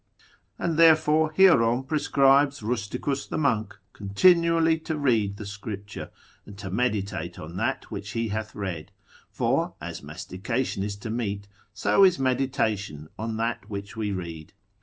And therefore Hierom prescribes Rusticus the monk, continually to read the Scripture, and to meditate on that which he hath read; for as mastication is to meat, so is meditation on that which we read.